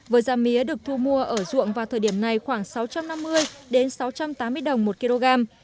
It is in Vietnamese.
vừa ra mía được thu mua ở ruộng vào thời điểm này khoảng sáu trăm năm mươi đến sáu trăm tám mươi đồng một kg